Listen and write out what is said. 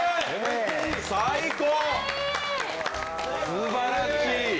すばらしい！